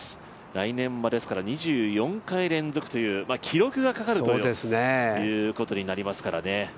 来年は２４回連続という記録がかかるということになりますからね。